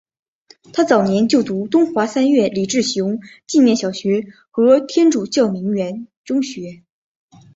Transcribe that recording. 他早年就读东华三院李志雄纪念小学和天主教鸣远中学。